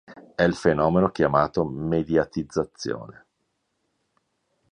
È il fenomeno chiamato mediatizzazione.